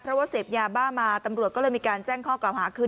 เพราะว่าเสพยาบ้ามาตำรวจก็เลยมีการแจ้งข้อกล่าวหาคือ